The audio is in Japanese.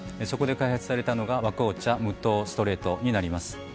そこで開発されたのが「和紅茶無糖ストレート」になります。